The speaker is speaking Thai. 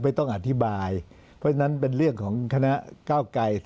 ต้องอธิบายเพราะฉะนั้นเป็นเรื่องของคณะเก้าไกร